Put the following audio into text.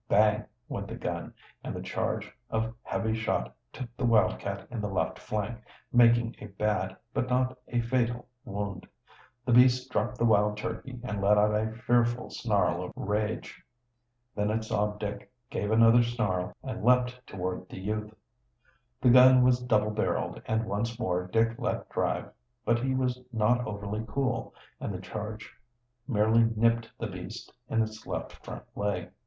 Bang! went the gun and the charge of heavy shot took the wildcat in the left flank, making a bad, but not a fatal, wound. The beast dropped the wild turkey and let out a fearful snarl of rage. Then it saw Dick, gave another snarl, and leaped toward the youth. The gun was double barreled, and once more Dick let drive. But he was not overly cool, and the charge merely nipped the beast in its left front leg.